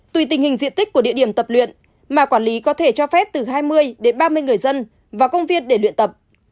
tùy tình hình diện tích của địa điểm tập luyện mà quản lý có thể cho phép từ hai mươi đến ba mươi người dân vào công viên để luyện tập